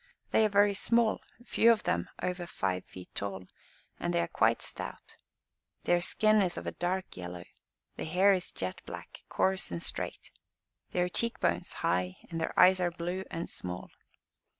They are very small, few of them over five feet tall, and they are quite stout. Their skin is of a dark yellow; the hair is jet black, coarse and straight; their cheek bones, high; and their eyes are blue and small.